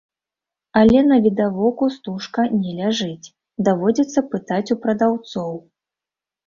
Але навідавоку стужка не ляжыць, даводзіцца пытаць у прадаўцоў.